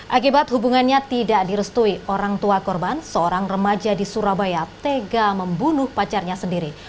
akibat hubungannya tidak direstui orang tua korban seorang remaja di surabaya tega membunuh pacarnya sendiri